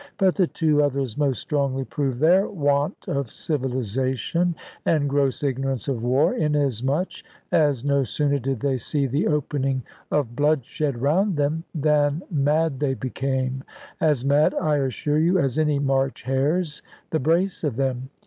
But the two others most strongly proved their want of civilisation and gross ignorance of war, inasmuch as no sooner did they see the opening of bloodshed round them, than mad they became as mad, I assure you, as any March hares, the brace of them.